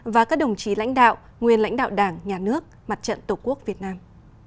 và các đồng chí lãnh đạo nguyên lãnh đạo đảng nhà nước mặt trận tổ quốc việt nam